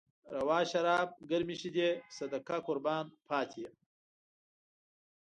روا شراب، ګرمې شيدې، صدقه قربان پاتې يم